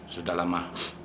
sudah lah ma